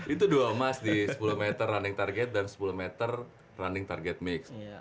itu dua emas di sepuluh meter running target dan sepuluh meter running target mix